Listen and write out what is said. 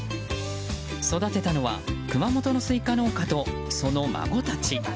育てたのは熊本のスイカ農家とその孫たち。